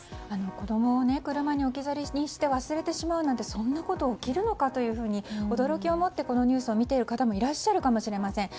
子供を車に置き去りにして忘れてしまうなんてそんなこと起きるのかと驚きをもってこのニュースを見ている方もいらっしゃるかもしれません。